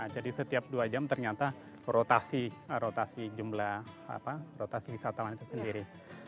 jadi setiap dua jam ternyata rotasi jumlah wisatawan itu sendiri